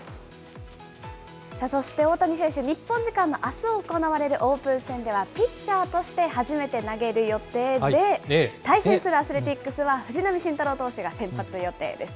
そして大谷選手、日本時間のあす行われるオープン戦では、ピッチャーとして初めて投げる予定で、対戦するアスレティックスは藤浪晋太郎投手が先発予定です。